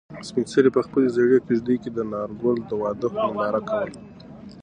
سپین سرې په خپلې زړې کيږدۍ کې د انارګل د واده ننداره کوله.